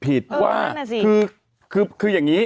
เออนั่นน่ะสิคือ